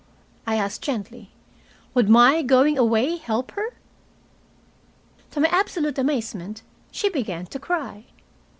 I asked gently. "Would my going away help her?" To my absolute amazement she began to cry.